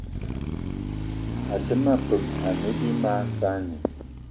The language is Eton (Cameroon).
Até ma peum ne bí mag saanì